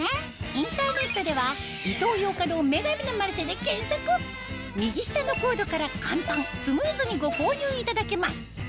インターネットでは右下のコードから簡単スムーズにご購入いただけます